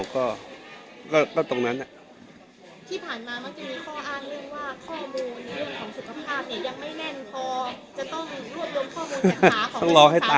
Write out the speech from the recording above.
ก็ตรงนั้น